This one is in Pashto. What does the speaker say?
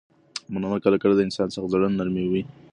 مننه کله کله د انسان سخت زړه نرموي.